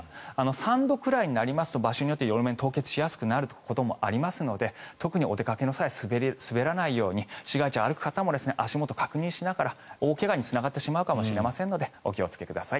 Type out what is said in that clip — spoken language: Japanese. ３度くらいになりますと場所によって路面が凍結しやすくなりますので特にお出かけの際は滑らないように市街地を歩く方も足元を確認しながら大怪我につながってしまうかもしれませんのでお気をつけください。